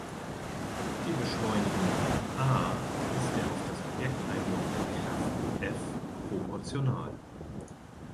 Die Beschleunigung "a" ist der auf das Objekt einwirkenden Kraft "F" proportional.